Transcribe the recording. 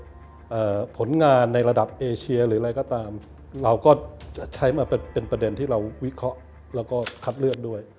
ผลงานในระดับเอเชียหรืออะไรก็ตามเราก็จะใช้มาเป็นเป็นประเด็นที่เราวิเคราะห์แล้วก็คัดเลือกด้วย